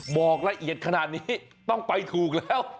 บอกละเอียดขนาดนี้ต้องไปถูกแล้ว